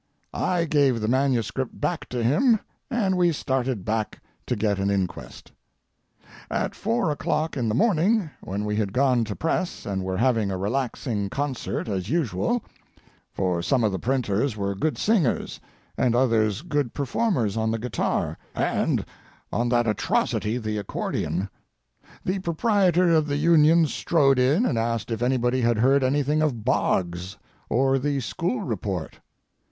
I gave the manuscript back to him, and we started back to get an inquest. At four o'clock in the morning, when we had gone to press and were having a relaxing concert as usual (for some of the printers were good singers and others good performers on the guitar and on that atrocity the accordion), the proprietor of the Union strode in and asked if anybody had heard anything of Boggs or the school report.